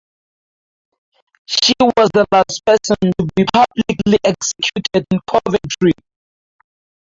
She was the last person to be publicly executed in Coventry.